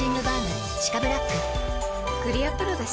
クリアプロだＣ。